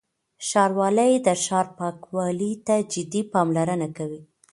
ښاروالۍ د ښار پاکوالي ته جدي پاملرنه کوي.